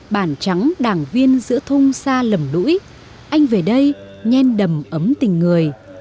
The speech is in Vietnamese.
bản trắng đảng viên giữa thung xa lầm đũi anh về đây nhen đầm ấm tình người